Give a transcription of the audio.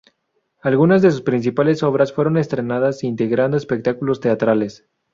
Algunas de sus principales obras fueron estrenadas integrando espectáculos teatrales.